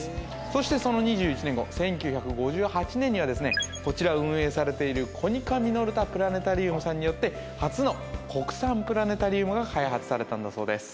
そしてその２１年後１９５８年にはですねこちらを運営されているコニカミノルタプラネタリウムさんによって初の国産プラネタリウムが開発されたんだそうです